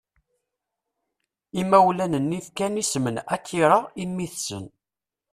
Imawlan-nni fkan isem n Akira i mmi-tsen.